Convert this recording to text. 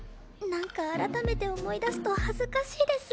なんか改めて思い出すと恥ずかしいです。